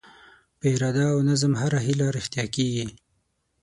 په اراده او نظم هره هیله رښتیا کېږي.